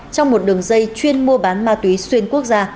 trong một đường dây chuyên mua bán ma túy xuyên quốc gia